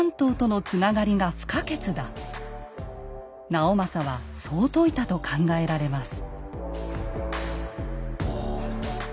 直政はそう説いたと考えられます。